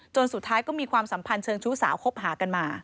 สุดท้ายก็มีความสัมพันธ์เชิงชู้สาวคบหากันมา